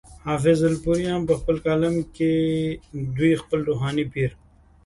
حافظ الپورۍ هم پۀ خپل کالم کې دوي خپل روحاني پير